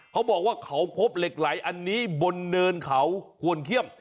เขาบอกว่าเขาพบเหล็กไหลอันนี้บนเนินเขาควรเขี้ยม